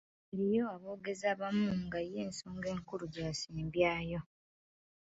Eriyo aboogezi abamu nga ye ensonga enkulu gy’asembyayo .